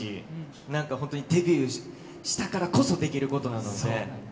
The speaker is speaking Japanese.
なんか本当にデビューしたからこそできることなので。